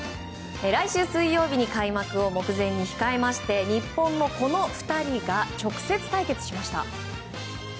来週水曜日の開幕を目前に控えまして日本の、この２人が直接対決しました。